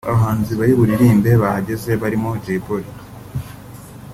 avuze ko abahanzi bari buririmbe bahageze ; barimo Jay Polly